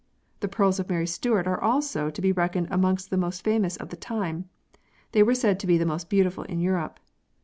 The pearls of Mary Stuart are also to be reckoned amongst the most famous of the time. They were said to be the most beautiful in Europe.